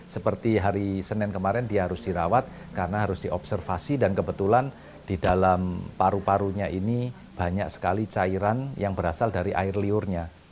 seperti hari senin kemarin dia harus dirawat karena harus diobservasi dan kebetulan di dalam paru parunya ini banyak sekali cairan yang berasal dari air liurnya